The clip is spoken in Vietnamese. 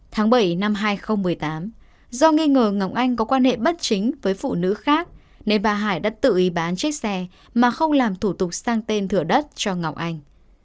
tháng bảy năm hai nghìn một mươi tám do nghi ngờ ngọc anh có quan hệ bất chính với phụ nữ khác nên bà hải đã tự ý bán chiếc xe mà không làm thủ tục sang tên thửa đất cho ngọc anh